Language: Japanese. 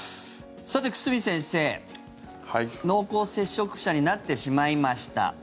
さて、久住先生、濃厚接触者になってしまいました。